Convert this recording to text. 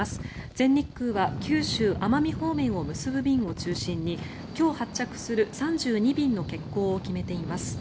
全日空は九州・奄美方面を結ぶ便を中心に今日発着する３２便の欠航を決めています。